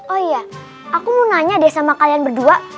oh iya aku mau nanya deh sama kalian berdua